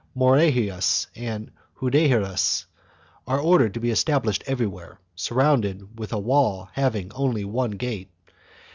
Morerias and Juderias are ordered to be estab lished everywhere, surrounded with a wall having only one gate.